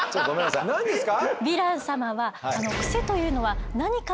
何ですか？